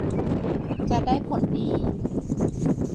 จะได้ผลดี